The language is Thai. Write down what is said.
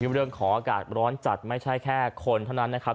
เรื่องของอากาศร้อนจัดไม่ใช่แค่คนเท่านั้นนะครับ